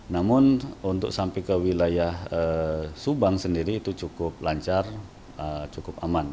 namun untuk sampai ke wilayah subang sendiri itu cukup lancar cukup aman